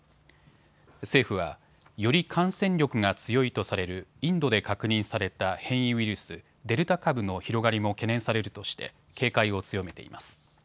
政府は、より感染力が強いとされるインドで確認された変異ウイルス、デルタ株の広がりも懸念されるとして警戒を強めています。